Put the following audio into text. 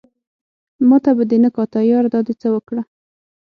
ماته به دې نه کاته ياره دا دې څه اوکړه